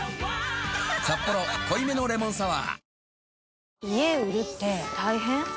「サッポロ濃いめのレモンサワー」